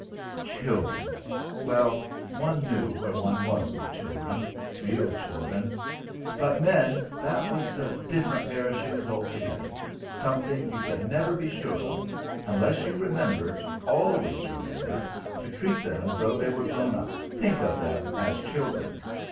Children! Well, one knew where one was with children real children. But men, that was a different pair of shoes altogether something you could never be sure of unless you remembered, always remembered, to treat them as though they were grown up, think of them as children.